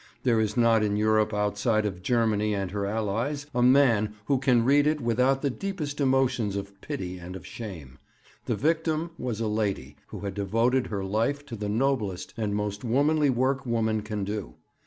There is not in Europe, outside Germany and her Allies, a man who can read it without the deepest emotions of pity and of shame. The victim was a lady who had devoted her life to the noblest and the most womanly work woman can do.